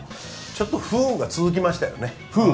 ちょっと不運が続きましたよね。